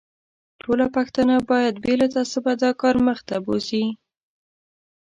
ټوله پښتانه باید بې له تعصبه دا کار مخ ته بوزي.